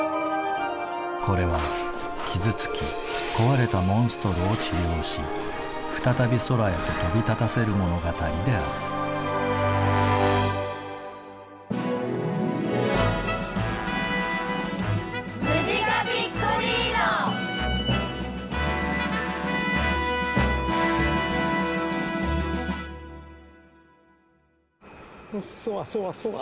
これは傷つき壊れたモンストロを治療し再び空へと飛び立たせる物語であるそわそわそわ。